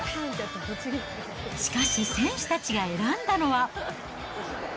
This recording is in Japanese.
しかし、選手たちが選んだのは。